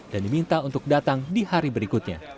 dan diminta untuk datang di hari berikutnya